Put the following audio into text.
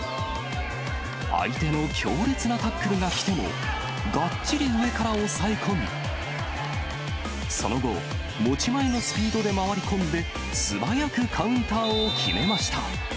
相手の強烈なタックルが来ても、がっちり上から押さえ込み、その後、持ち前のスピードで回り込んで、素早くカウンターを決めました。